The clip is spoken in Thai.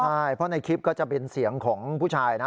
ใช่เพราะในคลิปก็จะเป็นเสียงของผู้ชายนะ